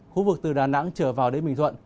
khu vực từ đà nẵng trở vào đến bình thuận